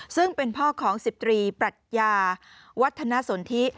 ซึ่งเป็นพ่อของ๑๐ตรีปรัชญาวัฒนสนทิ